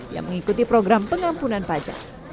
yang mengikuti program pengampunan pajak